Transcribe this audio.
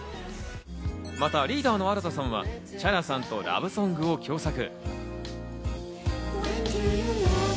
またリーダーの荒田さんはＣｈａｒａさんとラブソングを共作。